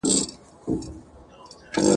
په مالت کي خاموشي سوه وخت د جام سو !.